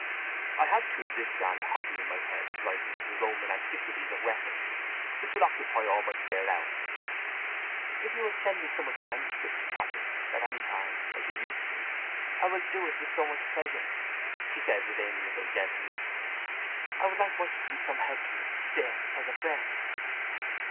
I have, too, this grand hobby in my head of writing 'The Roman Antiquities of Wessex,' which will occupy all my spare hours." "If you will send me some of the manuscript to copy at any time, as you used to, I will do it with so much pleasure!" she said with amenable gentleness. "I should much like to be some help to you still—as a—f f friend."